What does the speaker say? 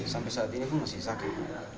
sampai saat ini pun masih sakit